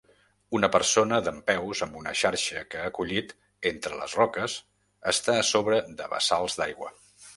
Una persona dempeus amb una xarxa que ha collit entre les roques està a sobre de bassals d'aigua.